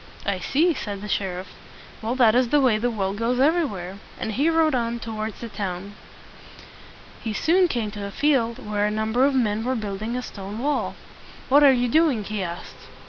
"I see," said the sheriff. "Well, that is the way the world goes every where." And he rode on toward the town. He soon came to a field where a number of men were building a stone wall. "What are you doing?" he asked.